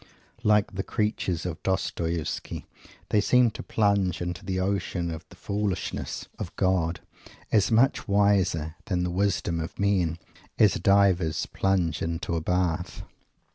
Like the creatures of Dostoievsky, they seem to plunge into the ocean of the Foolishness of God, so much wiser than the wisdom of men! as divers plunge into a bath.